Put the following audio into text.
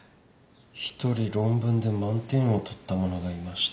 １人論文で満点を取った者がいました。